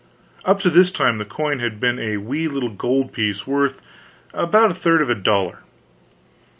Up to this time this coin had been a wee little gold piece worth about a third of a dollar.